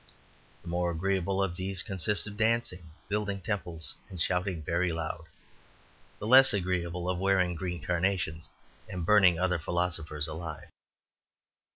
The more agreeable of these consist of dancing, building temples, and shouting very loud; the less agreeable, of wearing green carnations and burning other philosophers alive.